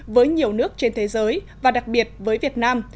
với nhiều nước trên thế giới và đặc biệt với việt nam